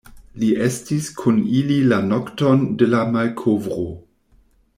Li estis kun ili la nokton de la malkovro.